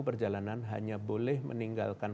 berjalanan hanya boleh meninggalkan